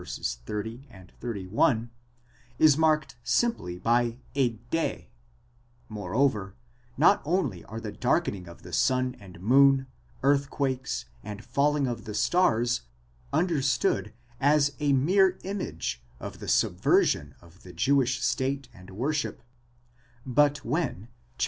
30 and 31, is marked simply by a δὲ Moreover, not only are the darkening of the sun and moon, earthquakes, and falling of the stars, understood as a mere image of the subversion of the Jewish state and wor ship ; but when xxiv.